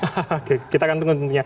oke kita akan tunggu tentunya